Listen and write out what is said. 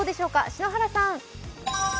篠原さん。